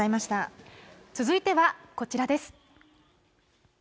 続いてはこちらです。